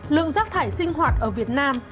lượng rác thải sinh hoạt ở việt nam